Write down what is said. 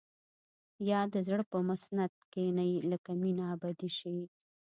يا د زړه پر مسند کښيني لکه مينه ابدي شي.